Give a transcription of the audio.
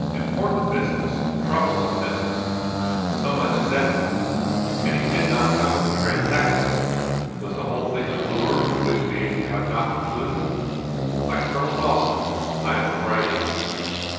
Important business, troublesome business so much is evident. And he did not come to transact it. Was the whole thing a lure to which we have not the clue? Like Colonel Dawson, I am afraid."